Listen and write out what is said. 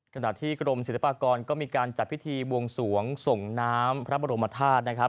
ขณะที่กรมศิลปากรก็มีการจัดพิธีบวงสวงส่งน้ำพระบรมธาตุนะครับ